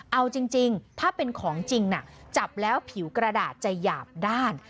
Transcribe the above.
เอาจริงถ้าเป็นของจริงจับแล้วผิวกระดาษจะหยาบด้าน